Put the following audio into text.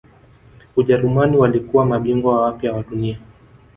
ujerumani walikuwa mabingwa wapya wa dunia